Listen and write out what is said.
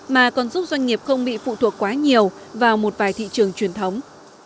mà còn giúp doanh nghiệp không bị phụ thuộc quá nhiều vào một vài thị trường truyền thống